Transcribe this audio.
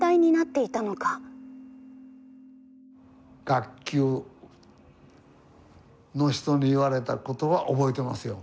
学級の人に言われたことは覚えてますよ。